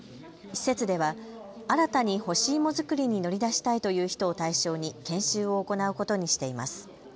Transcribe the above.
施設では新たに干し芋作りに乗り出したいという人を対象に研修を行うことにしています。